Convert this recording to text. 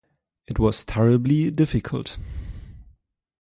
It was terribly difficult.